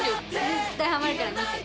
絶対ハマるから見て。